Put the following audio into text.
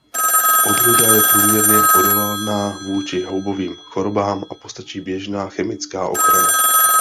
Odrůda je průměrně odolná vůči houbovým chorobám a postačí běžná chemická ochrana.